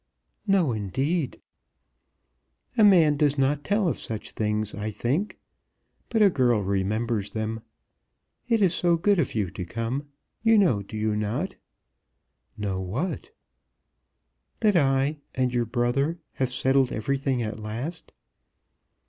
"No, indeed." "A man does not tell of such things, I think; but a girl remembers them. It is so good of you to come. You know do you not?" "Know what?" "That I, and your brother, have settled everything at last?"